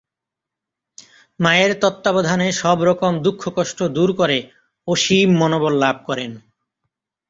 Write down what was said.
মায়ের তত্ত্বাবধানে সবরকম দুঃখ কষ্ট দূর করে অসীম মনোবল লাভ করেন।